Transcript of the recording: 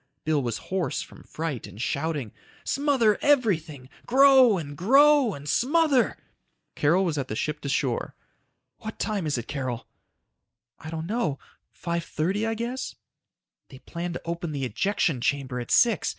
Bill was hoarse from fright and shouting. "Smother everything, grow and grow and smother ..." Carol was at the ship to shore. "What time is it, Carol?" "I don't know. 5:30 I guess." "They plan to open the ejection chamber at six.